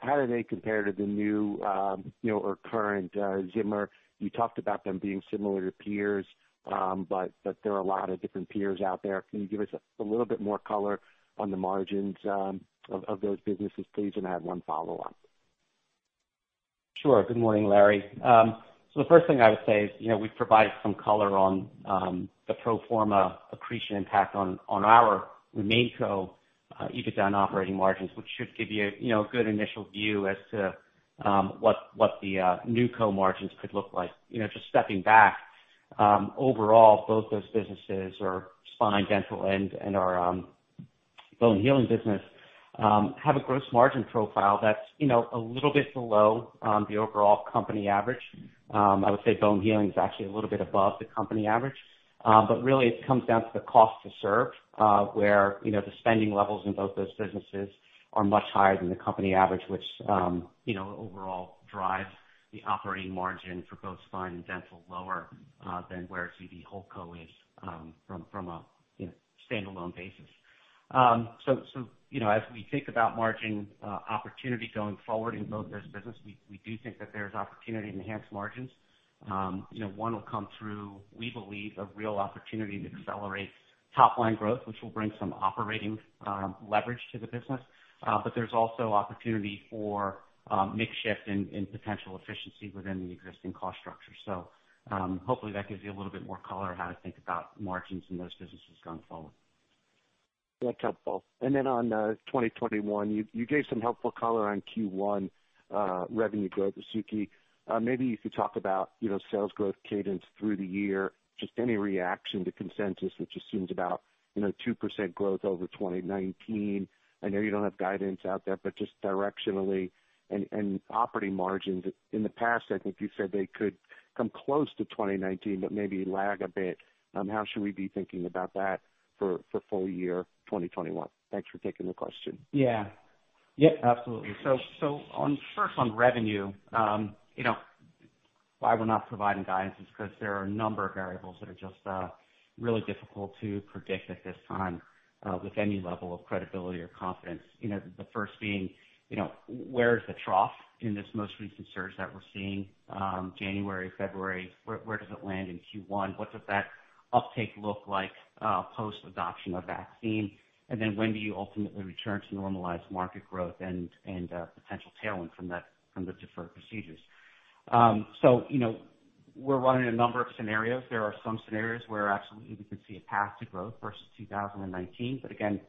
how do they compare to the new or current Zimmer? You talked about them being similar to peers, but there are a lot of different peers out there. Can you give us a little bit more color on the margins of those businesses, please? I have one follow-up. Sure. Good morning, Larry. The first thing I would say is we've provided some color on the pro forma accretion impact on our main Co, even on operating margins, which should give you a good initial view as to what the Nuco margins could look like. Just stepping back, overall, both those businesses, our spine, dental, and our bone healing business, have a gross margin profile that's a little bit below the overall company average. I would say bone healing is actually a little bit above the company average. It really comes down to the cost to serve, where the spending levels in both those businesses are much higher than the company average, which overall drives the operating margin for both spine and dental lower than where ZB Whole Co is from a standalone basis. As we think about margin opportunity going forward in both those businesses, we do think that there's opportunity to enhance margins. One will come through, we believe, a real opportunity to accelerate top-line growth, which will bring some operating leverage to the business. There is also opportunity for makeshift and potential efficiency within the existing cost structure. Hopefully, that gives you a little bit more color on how to think about margins in those businesses going forward. That's helpful. On 2021, you gave some helpful color on Q1 revenue growth with Suky. Maybe you could talk about sales growth cadence through the year, just any reaction to consensus, which assumes about 2% growth over 2019. I know you don't have guidance out there, but just directionally and operating margins. In the past, I think you said they could come close to 2019, but maybe lag a bit. How should we be thinking about that for full year 2021? Thanks for taking the question. Yeah. Yep. Absolutely. First, on revenue, why we're not providing guidance is because there are a number of variables that are just really difficult to predict at this time with any level of credibility or confidence. The first being, where is the trough in this most recent surge that we're seeing, January, February? Where does it land in Q1? What does that uptake look like post-adoption of vaccine? When do you ultimately return to normalized market growth and potential tailwind from the deferred procedures? We're running a number of scenarios. There are some scenarios where absolutely we could see a path to growth versus 2019. Again,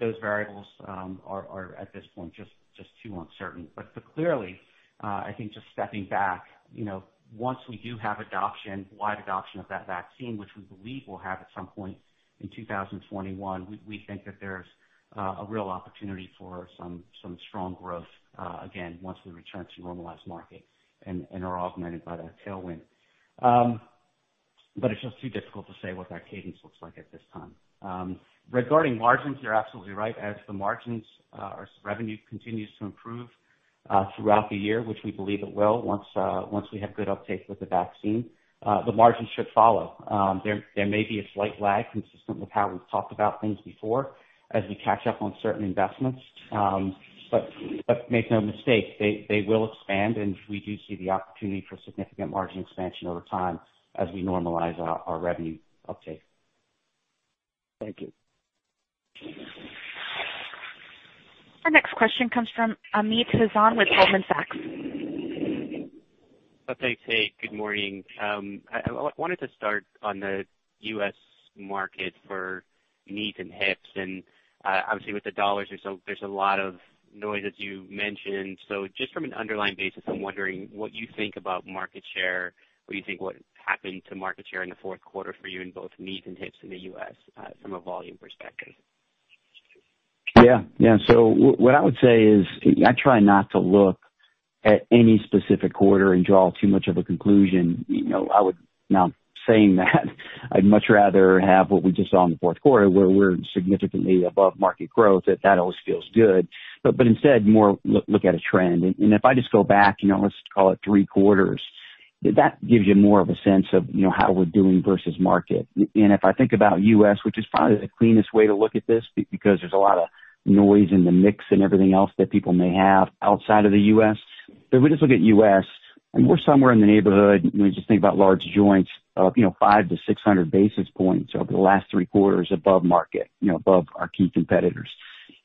those variables are at this point just too uncertain. Clearly, I think just stepping back, once we do have adoption, wide adoption of that vaccine, which we believe we'll have at some point in 2021, we think that there's a real opportunity for some strong growth again once we return to normalized market and are augmented by that tailwind. It is just too difficult to say what that cadence looks like at this time. Regarding margins, you're absolutely right. As the margins or revenue continues to improve throughout the year, which we believe it will once we have good uptake with the vaccine, the margins should follow. There may be a slight lag consistent with how we've talked about things before as we catch up on certain investments. Make no mistake, they will expand. We do see the opportunity for significant margin expansion over time as we normalize our revenue uptake. Thank you. Our next question comes from Amit Hazan with Goldman Sachs. Okay. Hey. Good morning. I wanted to start on the U.S. market for knees and hips. Obviously, with the dollars, there's a lot of noise, as you mentioned. Just from an underlying basis, I'm wondering what you think about market share, what you think what happened to market share in the fourth quarter for you in both knees and hips in the U.S. from a volume perspective. Yeah. Yeah. What I would say is I try not to look at any specific quarter and draw too much of a conclusion. I would, now saying that, I'd much rather have what we just saw in the fourth quarter, where we're significantly above market growth. That always feels good. Instead, I more look at a trend. If I just go back, let's call it three quarters, that gives you more of a sense of how we're doing versus market. If I think about U.S., which is probably the cleanest way to look at this because there's a lot of noise in the mix and everything else that people may have outside of the U.S., if we just look at U.S., we're somewhere in the neighborhood. We just think about large joints of 500-600 basis points over the last three quarters above market, above our key competitors.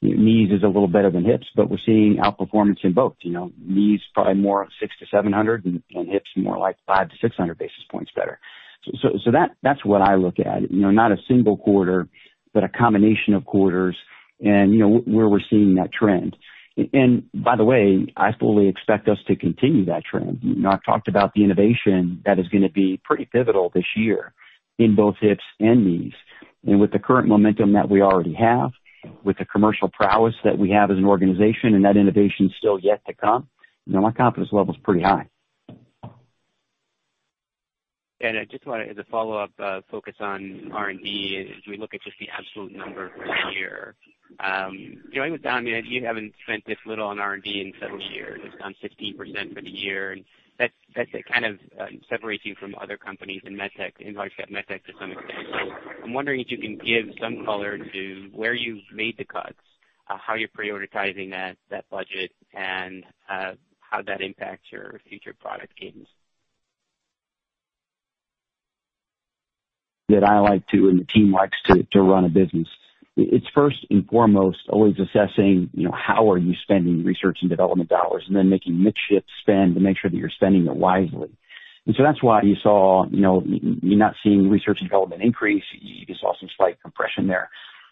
Knees is a little better than hips, but we're seeing outperformance in both. Knees probably more 600-700 and hips more like 500-600 basis points better. That is what I look at. Not a single quarter, but a combination of quarters and where we're seeing that trend. By the way, I fully expect us to continue that trend. I've talked about the innovation that is going to be pretty pivotal this year in both hips and knees. With the current momentum that we already have, with the commercial prowess that we have as an organization, and that innovation is still yet to come, my confidence level is pretty high. I just wanted to follow up, focus on R&D. As we look at just the absolute number for the year, I would say you haven't spent this little on R&D in several years. It's down 15% for the year. That's kind of separating from other companies and MedTech, in large tech MedTech to some extent. I'm wondering if you can give some color to where you've made the cuts, how you're prioritizing that budget, and how that impacts your future product gains. That I like to, and the team likes to run a business, it's first and foremost always assessing how are you spending research and development dollars and then making makeshift spend to make sure that you're spending it wisely. That is why you saw me not seeing research and development increase. You just saw some slight compression there.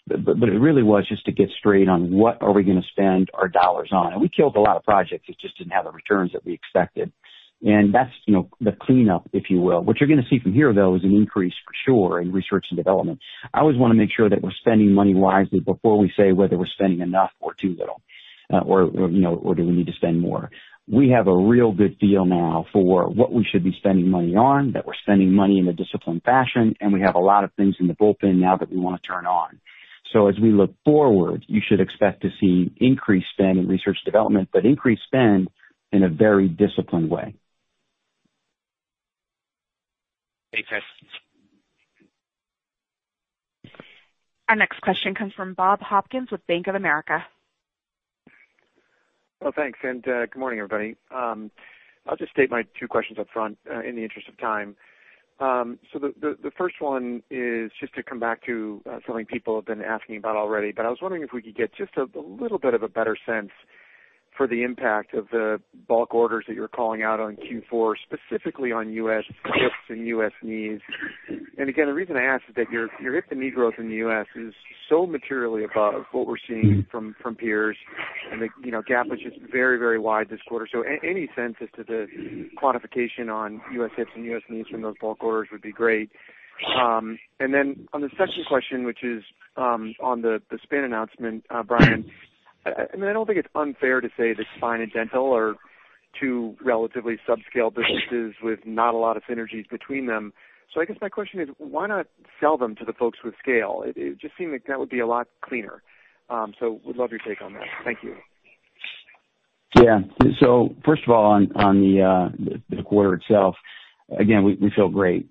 It really was just to get straight on what are we going to spend our dollars on. We killed a lot of projects. It just did not have the returns that we expected. That is the cleanup, if you will. What you're going to see from here, though, is an increase for sure in research and development. I always want to make sure that we're spending money wisely before we say whether we're spending enough or too little, or do we need to spend more. We have a real good feel now for what we should be spending money on, that we're spending money in a disciplined fashion, and we have a lot of things in the bullpen now that we want to turn on. As we look forward, you should expect to see increased spend in research and development, but increased spend in a very disciplined way. Thanks, guys. Our next question comes from Bob Hopkins with Bank of America. Thanks. Good morning, everybody. I'll just state my two questions up front in the interest of time. The first one is just to come back to something people have been asking about already. I was wondering if we could get just a little bit of a better sense for the impact of the bulk orders that you're calling out on Q4, specifically on U.S. hips and U.S. knees. The reason I ask is that your hip and knee growth in the U.S. is so materially above what we're seeing from peers, and the gap was just very, very wide this quarter. Any sense as to the quantification on U.S. hips and U.S. knees from those bulk orders would be great. On the second question, which is on the spin announcement, Bryan, I mean, I don't think it's unfair to say that spine and dental are two relatively subscale businesses with not a lot of synergies between them. I guess my question is, why not sell them to the folks with scale? It just seemed like that would be a lot cleaner. We'd love your take on that. Thank you. Yeah. First of all, on the quarter itself, again, we feel great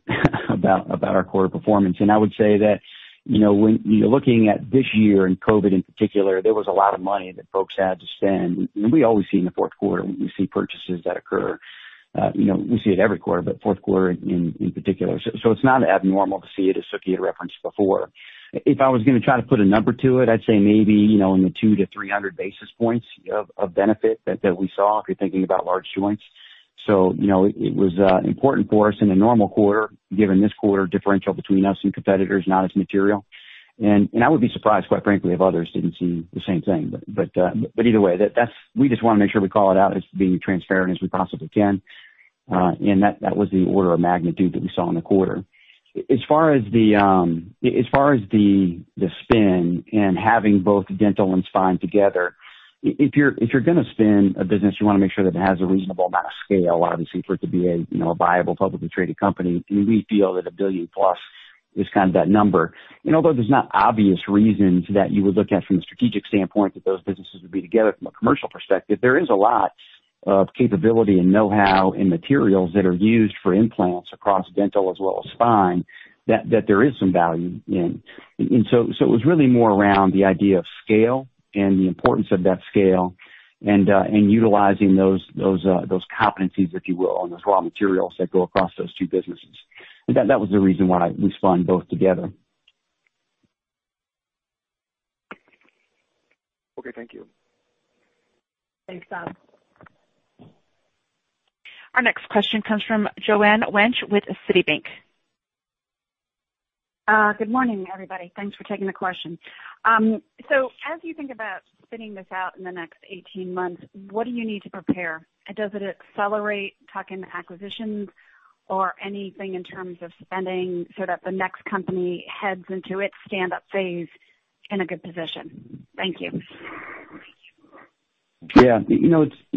about our quarter performance. I would say that when you're looking at this year and COVID in particular, there was a lot of money that folks had to spend. We always see in the fourth quarter, we see purchases that occur. We see it every quarter, but fourth quarter in particular. It is not abnormal to see it as Suky had referenced before. If I was going to try to put a number to it, I'd say maybe in the 2-300 basis points of benefit that we saw if you're thinking about large joints. It was important for us in a normal quarter, given this quarter differential between us and competitors, not as material. I would be surprised, quite frankly, if others did not see the same thing. Either way, we just want to make sure we call it out as being transparent as we possibly can. That was the order of magnitude that we saw in the quarter. As far as the spin and having both dental and spine together, if you're going to spin a business, you want to make sure that it has a reasonable amount of scale, obviously, for it to be a viable, publicly traded company. We feel that a billion plus is kind of that number. Although there's not obvious reasons that you would look at from a strategic standpoint that those businesses would be together from a commercial perspective, there is a lot of capability and know-how and materials that are used for implants across dental as well as spine that there is some value in. It was really more around the idea of scale and the importance of that scale and utilizing those competencies, if you will, and those raw materials that go across those two businesses. That was the reason why we spun both together. Okay. Thank you. Thanks, Bob. Our next question comes from Joanne Wuensch with Citibank. Good morning, everybody. Thanks for taking the question. As you think about spinning this out in the next 18 months, what do you need to prepare? Does it accelerate talking acquisitions or anything in terms of spending so that the next company heads into its stand-up phase in a good position? Thank you. Yeah.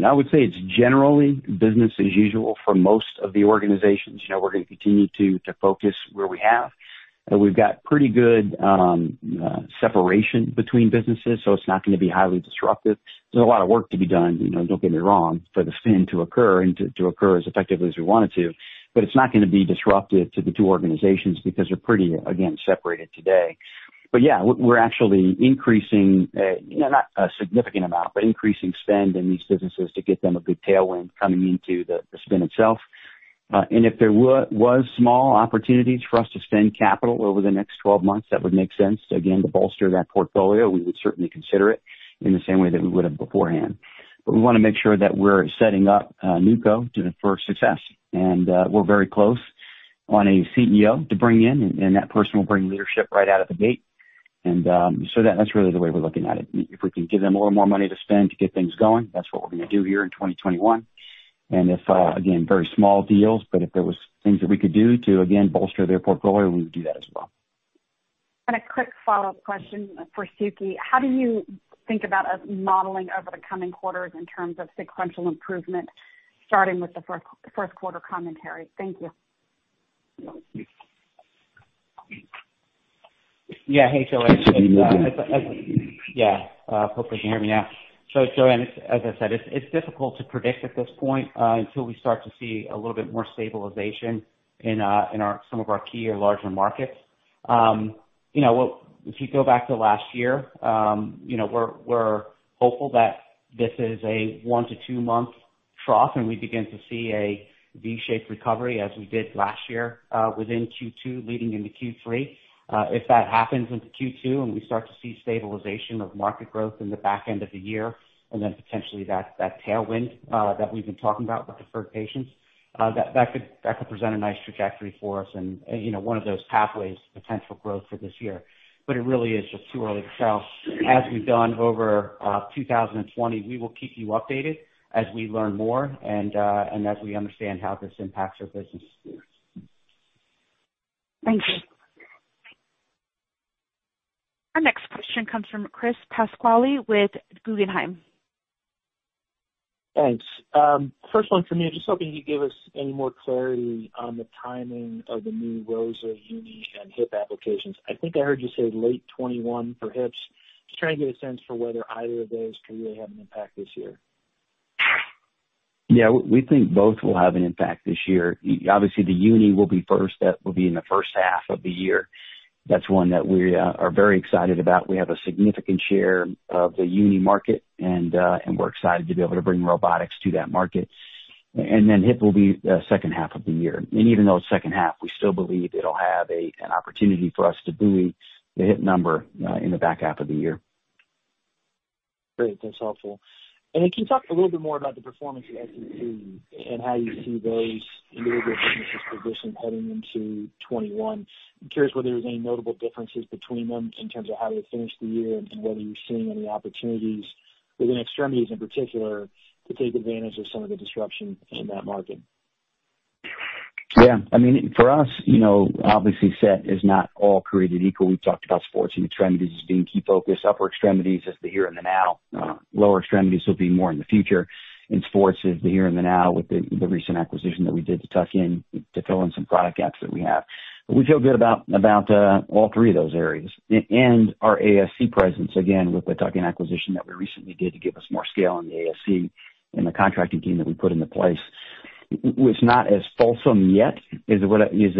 I would say it's generally business as usual for most of the organizations. We're going to continue to focus where we have. We've got pretty good separation between businesses, so it's not going to be highly disruptive. There's a lot of work to be done, don't get me wrong, for the spin to occur and to occur as effectively as we want it to. It's not going to be disruptive to the two organizations because they're pretty, again, separated today. Yeah, we're actually increasing, not a significant amount, but increasing spend in these businesses to get them a good tailwind coming into the spin itself. If there were small opportunities for us to spend capital over the next 12 months that would make sense, again, to bolster that portfolio, we would certainly consider it in the same way that we would have beforehand. We want to make sure that we're setting up Nuco for success. We're very close on a CEO to bring in, and that person will bring leadership right out of the gate. That's really the way we're looking at it. If we can give them a little more money to spend to get things going, that's what we're going to do here in 2021. If, again, very small deals, but if there were things that we could do to, again, bolster their portfolio, we would do that as well. A quick follow-up question for Suky. How do you think about us modeling over the coming quarters in terms of sequential improvement, starting with the fourth quarter commentary? Thank you. Yeah. Hey, Joanne. Yeah. Hope you can hear me now. Joanne, as I said, it's difficult to predict at this point until we start to see a little bit more stabilization in some of our key or larger markets. If you go back to last year, we're hopeful that this is a one to two-month trough, and we begin to see a V-shaped recovery as we did last year within Q2, leading into Q3. If that happens into Q2 and we start to see stabilization of market growth in the back end of the year, and then potentially that tailwind that we've been talking about with deferred patients, that could present a nice trajectory for us and one of those pathways to potential growth for this year. It really is just too early to tell. As we've done over 2020, we will keep you updated as we learn more and as we understand how this impacts our business. Thank you. Our next question comes from Chris Pasquale with Guggenheim. Thanks. First one for me, just hoping you give us any more clarity on the timing of the new ROSA uni and hip applications. I think I heard you say late 2021 for hips. Just trying to get a sense for whether either of those can really have an impact this year. Yeah. We think both will have an impact this year. Obviously, the uni will be first. That will be in the first half of the year. That's one that we are very excited about. We have a significant share of the uni market, and we're excited to be able to bring robotics to that market. Hip will be the second half of the year. Even though it's second half, we still believe it'll have an opportunity for us to buoy the hip number in the back half of the year. Great. That's helpful. Can you talk a little bit more about the performance of S&P and how you see those individual businesses positioned heading into 2021? I'm curious whether there's any notable differences between them in terms of how they finish the year and whether you're seeing any opportunities within extremities in particular to take advantage of some of the disruption in that market. Yeah. I mean, for us, obviously, set is not all created equal. We've talked about sports and extremities as being key focus. Upper extremities is the here and the now. Lower extremities will be more in the future. Sports is the here and the now with the recent acquisition that we did to Tuck in to fill in some product gaps that we have. We feel good about all three of those areas. Our ASC presence, again, with the Tuck in acquisition that we recently did to give us more scale in the ASC and the contracting team that we put into place. It's not as fulsome yet as what is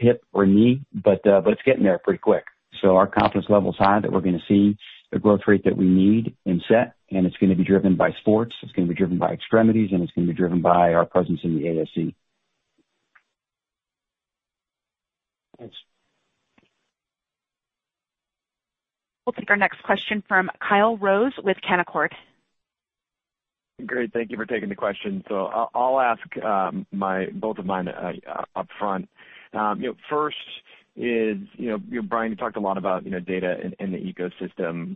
hip or knee, but it's getting there pretty quick. Our confidence level is high that we're going to see the growth rate that we need in set, and it's going to be driven by sports. It's going to be driven by extremities, and it's going to be driven by our presence in the ASC. Thanks. We'll take our next question from Kyle Rose with Canaccord. Great. Thank you for taking the question. I'll ask both of mine up front. First is, Bryan, you talked a lot about data and the ecosystem,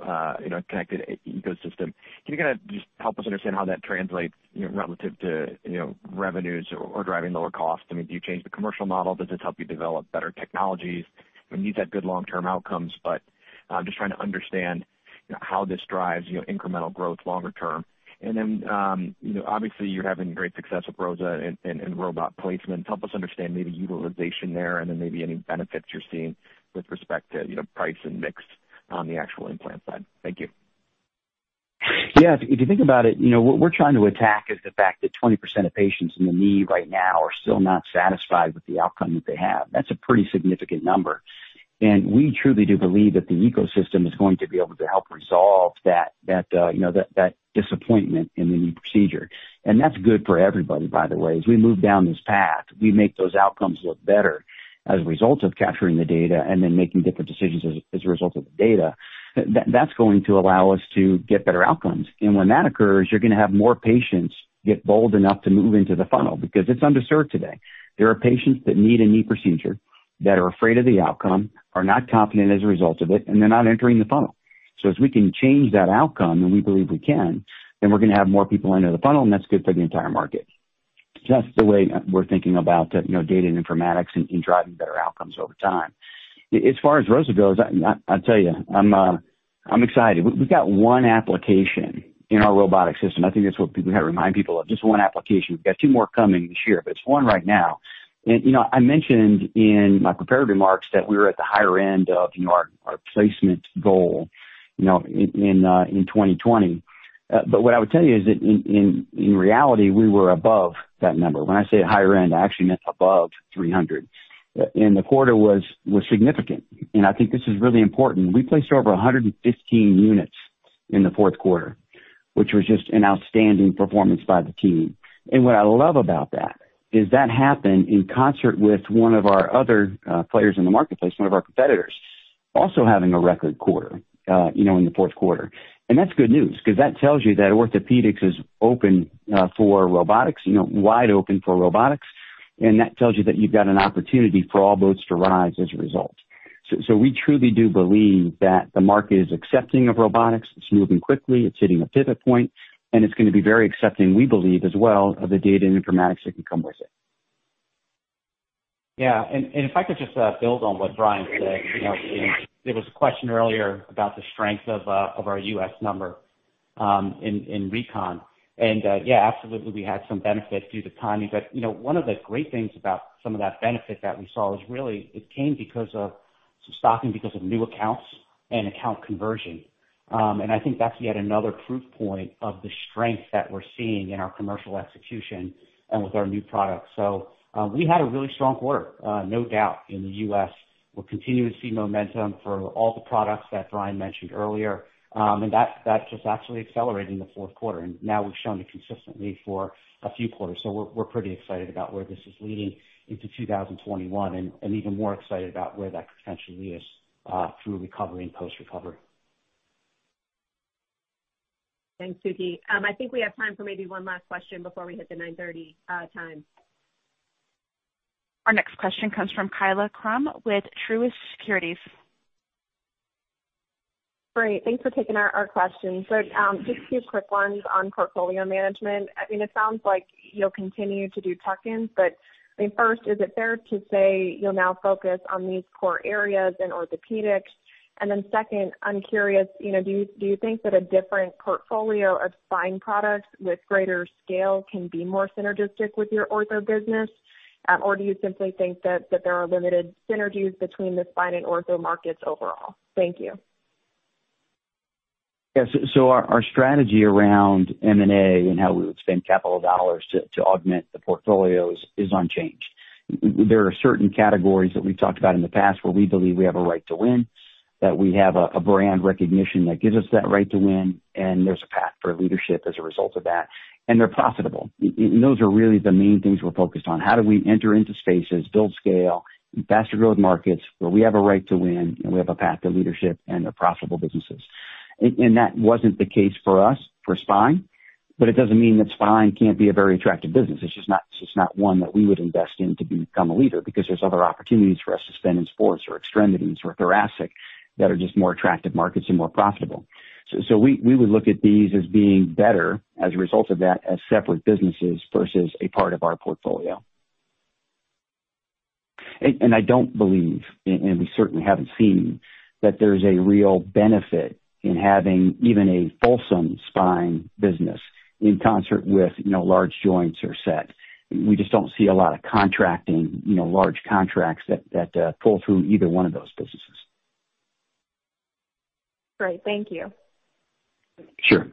connected ecosystem. Can you kind of just help us understand how that translates relative to revenues or driving lower costs? I mean, do you change the commercial model? Does this help you develop better technologies? I mean, these have good long-term outcomes, but I'm just trying to understand how this drives incremental growth longer term. Obviously, you're having great success with ROSA and robot placement. Help us understand maybe utilization there and then maybe any benefits you're seeing with respect to price and mix on the actual implant side. Thank you. Yeah. If you think about it, what we're trying to attack is the fact that 20% of patients in the knee right now are still not satisfied with the outcome that they have. That's a pretty significant number. We truly do believe that the ecosystem is going to be able to help resolve that disappointment in the knee procedure. That's good for everybody, by the way. As we move down this path, we make those outcomes look better as a result of capturing the data and then making different decisions as a result of the data. That's going to allow us to get better outcomes. When that occurs, you're going to have more patients get bold enough to move into the funnel because it's underserved today. There are patients that need a knee procedure that are afraid of the outcome, are not confident as a result of it, and they're not entering the funnel. As we can change that outcome, and we believe we can, then we're going to have more people enter the funnel, and that's good for the entire market. That's the way we're thinking about data and informatics and driving better outcomes over time. As far as ROSA goes, I'll tell you, I'm excited. We've got one application in our robotic system. I think that's what people remind people of. Just one application. We've got two more coming this year, but it's one right now. I mentioned in my preparatory remarks that we were at the higher end of our placement goal in 2020. What I would tell you is that in reality, we were above that number. When I say higher end, I actually meant above 300. The quarter was significant. I think this is really important. We placed over 115 units in the fourth quarter, which was just an outstanding performance by the team. What I love about that is that happened in concert with one of our other players in the marketplace, one of our competitors, also having a record quarter in the fourth quarter. That is good news because that tells you that orthopedics is open for robotics, wide open for robotics. That tells you that you have got an opportunity for all boats to rise as a result. We truly do believe that the market is accepting of robotics. It is moving quickly. It is hitting a pivot point. It is going to be very accepting, we believe, as well, of the data and informatics that can come with it. Yeah. If I could just build on what Bryan said, there was a question earlier about the strength of our U.S. number in recon. Yeah, absolutely, we had some benefit due to timing. One of the great things about some of that benefit that we saw was really it came because of some stocking because of new accounts and account conversion. I think that's yet another proof point of the strength that we're seeing in our commercial execution and with our new products. We had a really strong quarter, no doubt, in the US. We're continuing to see momentum for all the products that Bryan mentioned earlier. That's just actually accelerating the fourth quarter. Now we've shown it consistently for a few quarters. We're pretty excited about where this is leading into 2021 and even more excited about where that could potentially lead us through recovery and post-recovery. Thanks, Suky. I think we have time for maybe one last question before we hit the 9:30 time. Our next question comes from Kyla Krum with Truist Securities. Great. Thanks for taking our questions. Just two quick ones on portfolio management. I mean, it sounds like you'll continue to do tuck-ins. I mean, first, is it fair to say you'll now focus on these core areas in orthopedics? Then second, I'm curious, do you think that a different portfolio of spine products with greater scale can be more synergistic with your ortho business? Or do you simply think that there are limited synergies between the spine and ortho markets overall? Thank you. Yeah. Our strategy around M&A and how we would spend capital dollars to augment the portfolios is unchanged. There are certain categories that we've talked about in the past where we believe we have a right to win, that we have a brand recognition that gives us that right to win, and there is a path for leadership as a result of that. They are profitable. Those are really the main things we're focused on. How do we enter into spaces, build scale, faster growth markets where we have a right to win, we have a path to leadership, and they are profitable businesses? That was not the case for us, for spine. It does not mean that spine cannot be a very attractive business. It's just not one that we would invest in to become a leader because there's other opportunities for us to spend in sports or extremities or thoracic that are just more attractive markets and more profitable. We would look at these as being better as a result of that as separate businesses versus a part of our portfolio. I don't believe, and we certainly haven't seen, that there's a real benefit in having even a fulsome spine business in concert with large joints or set. We just don't see a lot of contracting, large contracts that pull through either one of those businesses. Great. Thank you. Sure.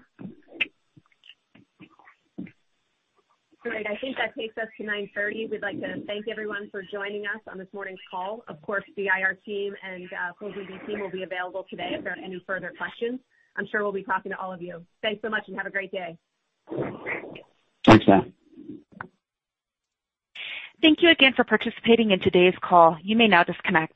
All right. I think that takes us to 9:30. We'd like to thank everyone for joining us on this morning's call. Of course, the IR team and Cogent B team will be available today if there are any further questions. I'm sure we'll be talking to all of you. Thanks so much, and have a great day. Thanks, Anne. Thank you again for participating in today's call. You may now disconnect.